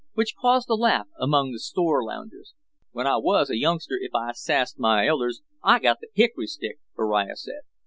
Which caused a laugh among the store loungers. "When I wuz a youngster if I sassed my elders I got the hickory stick," Beriah said.